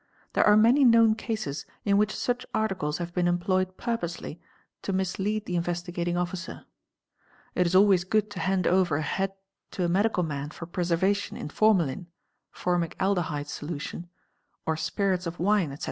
There 21 162 THE EXPERT are many known cases in which such articles have been emnplas purposely to mislead the Investigating Officer (296 208), It is always good to hand over a head to a medical man for pre servation in formalin (formic aldehyde solution) or spirits of wine, etc.